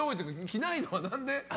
着ないのは何で？